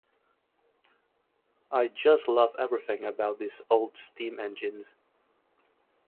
I just love everything about these old steam engines.